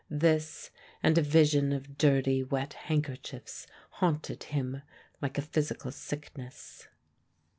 This and a vision of dirty wet handkerchiefs haunted him like a physical sickness.